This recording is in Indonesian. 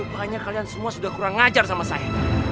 makanya kalian semua sudah kurang ngajar sama saya